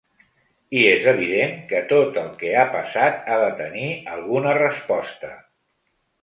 I és evident que tot el que ha passat ha de tenir alguna resposta.